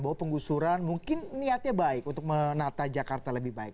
bahwa penggusuran mungkin niatnya baik untuk menata jakarta lebih baik